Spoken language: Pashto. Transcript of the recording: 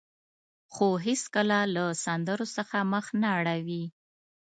خو هېڅکله هم له سندرو څخه مخ نه اړوي.